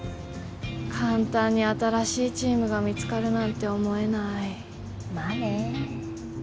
簡単に新しいチームが見つかるなんて思えないまあね